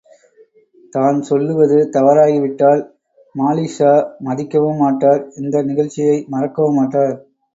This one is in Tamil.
தான்சொல்லுவது தவறாகிவிட்டால் மாலிக்ஷா மதிக்கவும் மாட்டார், இந்த நிகழ்ச்சியை மறக்கவும் மாட்டார்.